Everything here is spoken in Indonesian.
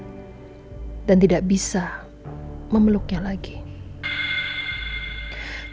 pada saat ini kamu sudah akan melahirkan diri dengan keatuhan